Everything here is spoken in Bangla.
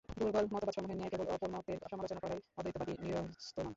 দুর্বল মতবাদসমূহের ন্যায় কেবল অপর মতের সমালোচনা করিয়াই অদ্বৈতবাদী নিরস্ত নন।